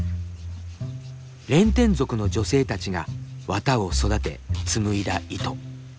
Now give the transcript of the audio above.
レンテン族の女性たちが綿を育て紡いだ糸。